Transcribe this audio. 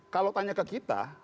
kalau tanya ke kita